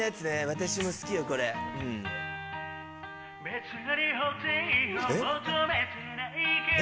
私も好きよこれ。何？